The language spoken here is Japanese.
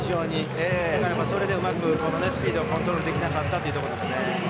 それでうまくスピードをコントロールできなかったんですかね。